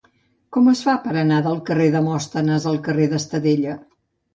Com es fa per anar del carrer de Demòstenes al carrer d'Estadella?